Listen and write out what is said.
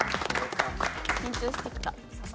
緊張してきた。